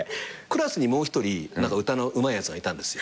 クラスにもう一人歌のうまいやつがいたんです。